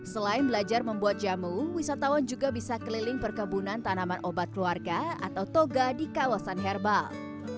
selain belajar membuat jamu wisatawan juga bisa keliling perkebunan tanaman obat keluarga atau toga di kawasan herbal